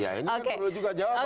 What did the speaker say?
ya ini kan perlu juga jawaban